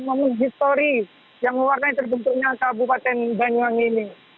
momen histori yang mewarnai terbentuknya kabupaten banyuwangi ini